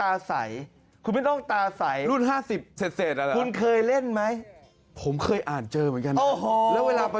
เออทำไมไม่รู้